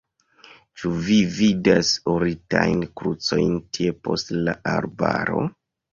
Ĉu vi vidas oritajn krucojn tie post la arbaro?